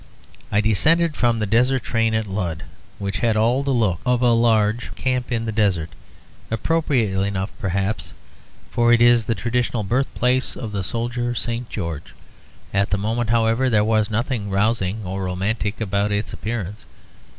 I descended from the desert train at Ludd, which had all the look of a large camp in the desert; appropriately enough perhaps, for it is the traditional birthplace of the soldier St. George. At the moment, however, there was nothing rousing or romantic about its appearance.